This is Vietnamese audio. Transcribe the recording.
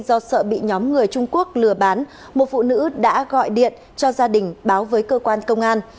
do sợ bị nhóm người trung quốc lừa bán một phụ nữ đã gọi điện cho gia đình báo với cơ quan công an